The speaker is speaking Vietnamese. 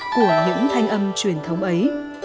của những thanh âm truyền thống ấy